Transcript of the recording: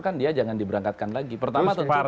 kan dia jangan diberangkatkan lagi pertama tentu